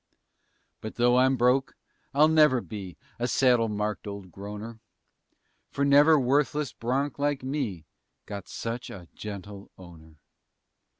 But though I'm broke, I'll never be A saddle marked old groaner, For never worthless bronc like me Got such a gentle owner.